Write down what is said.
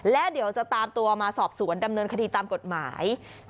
และเดี๋ยวจะตามตัวมาสอบสวนดำเนินคดีตามกฎหมาย